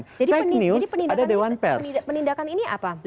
jadi penindakan ini apa